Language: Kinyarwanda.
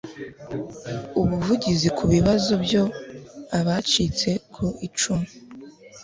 ubuvugizi ku bibazo by Abacitse ku icumu